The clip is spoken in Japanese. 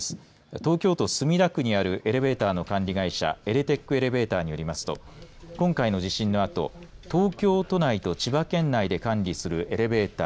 東京都、墨田区にあるエレベーターの管理会社によりますと今回の地震のあと東京都内と千葉県内で管理するエレベーター